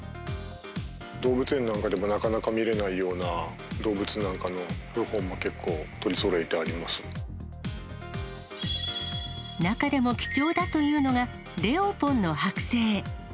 動物園なんかでもなかなか見れないような動物なんかの標本も、中でも貴重だというのが、レオポンの剥製。